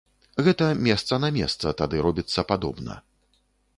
Гэта месца на месца тады робіцца падобна.